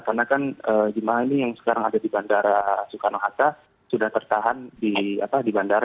karena kan jemaah ini yang sekarang ada di bandara soekarno hatta sudah tertahan di bandara